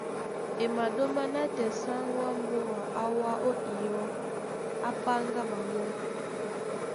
E maɗóma nátɛɛ sáŋgó á mbóa á wá ó iyɔ́, á páŋgá ɓaɓɔ́.